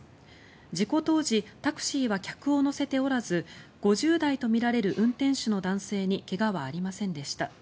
事故当時タクシーは客を乗せておらず５０代とみられる運転手の男性に怪我はありませんでした。